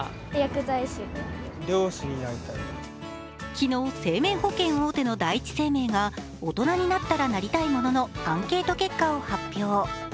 昨日、生命保険大手の第一生命が大人になったらなりたいもののアンケート結果を発表。